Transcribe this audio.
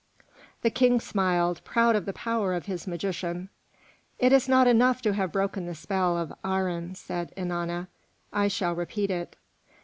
The King smiled, proud of the power of his magician. "It is not enough to have broken the spell of Aharon," said Ennana; "I shall repeat it."